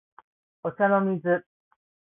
お茶の水